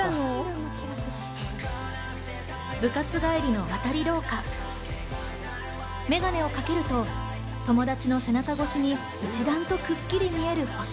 部活帰りの渡り廊下、眼鏡をかけると友達の背中越しに一段とくっきり見える星。